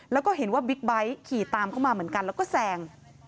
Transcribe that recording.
แล้วก็เห็นว่าบิ๊กไบท์ขี่ตามเข้ามาเหมือนกันแล้วก็แซง